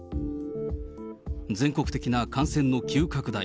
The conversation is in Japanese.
全国的な感染の急拡大。